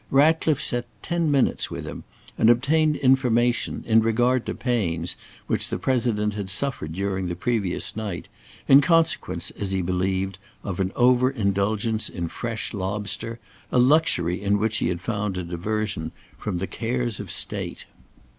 Ratcliffe sat ten minutes with him, and obtained information in regard to pains which the President had suffered during the previous night, in consequence, as he believed, of an over indulgence in fresh lobster, a luxury in which he had found a diversion from the cares of state.